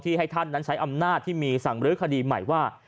ที่ให้ท่านใช้อำนาจที่มีสั่งบริขดีใหม่ว่า